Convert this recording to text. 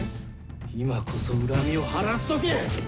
今こそ恨みを晴らす時！